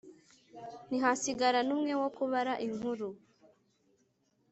ntihasigara n'umwe wo kubara inkuru